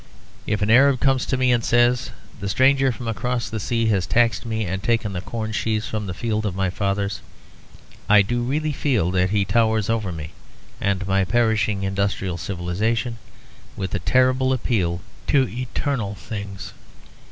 If an Arab comes to me and says, "The stranger from across the sea has taxed me, and taken the corn sheaves from the field of my fathers," I do really feel that he towers over me and my perishing industrial civilisation with a terrible appeal to eternal things.